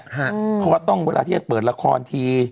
เขาก็ต้องเวลาที่จะเปิดละครที